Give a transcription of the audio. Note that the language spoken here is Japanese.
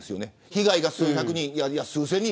被害が数百人いや数千人